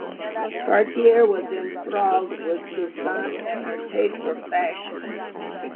Cartier was enthralled with Toussaint and her taste for fashion.